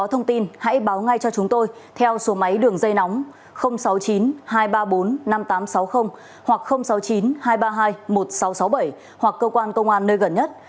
thông tin hãy báo ngay cho chúng tôi theo số máy đường dây nóng sáu mươi chín hai trăm ba mươi bốn năm nghìn tám trăm sáu mươi hoặc sáu mươi chín hai trăm ba mươi hai một nghìn sáu trăm sáu mươi bảy hoặc cơ quan công an nơi gần nhất